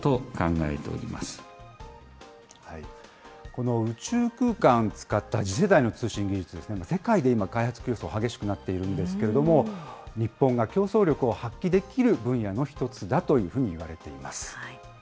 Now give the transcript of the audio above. この宇宙空間使った次世代の通信技術ですね、世界で今、開発競争、激しくなっているんですけれども、日本が競争力を発揮できる分野の一つだというふうにいわれています。